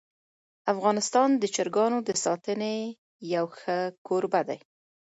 افغانستان د چرګانو د ساتنې یو ښه کوربه دی.